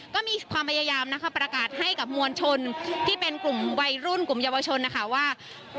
ก็มีความพยายามนะคะประกาศให้กับมวลชนที่เป็นกลุ่มวัยรุ่นกลุ่มเยาวชนนะคะว่า